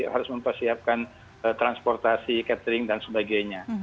harus mempersiapkan transportasi catering dan sebagainya